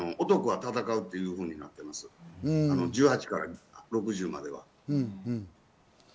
男は戦うというふうになっています、１８から６０までは。